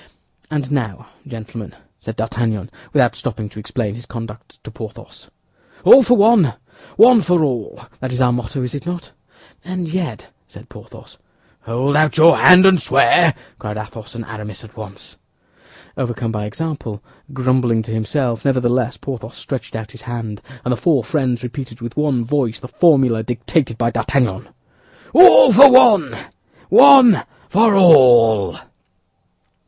"And now, gentlemen," said D'Artagnan, without stopping to explain his conduct to Porthos, "All for one, one for all—that is our motto, is it not?" "And yet—" said Porthos. "Hold out your hand and swear!" cried Athos and Aramis at once. Overcome by example, grumbling to himself, nevertheless, Porthos stretched out his hand, and the four friends repeated with one voice the formula dictated by D'Artagnan: "All for one, one for all."